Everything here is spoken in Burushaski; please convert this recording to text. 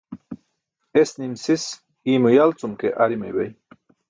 Es nim sis iymo yal cum ke ar imaybay.